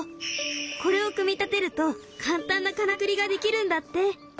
これを組み立てると簡単なからくりができるんだって。